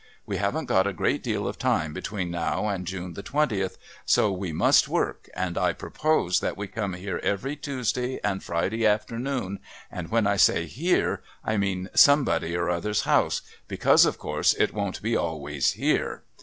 We haven't got a great deal of time between now and June the Twentieth, so we must work, and I propose that we come here every Tuesday and Friday afternoon, and when I say here I mean somebody or other's house, because of course it won't be always here.